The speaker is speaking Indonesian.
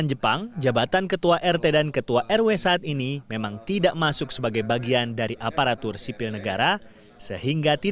jepang jawa tengah